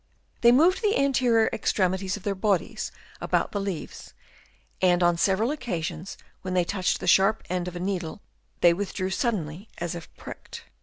They moved the anterior extremities of their bodies about the leaves, and on several occasions when they touched the sharp end of a needle they with drew suddenly as if pricked.